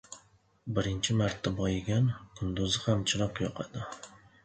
• Birinchi marta boyigan kunduzi ham chiroq yoqadi.